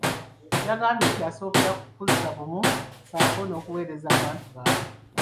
Yagambye nti asookera ku kuzza bumu ssaako n’okuweereza abantu baabwe.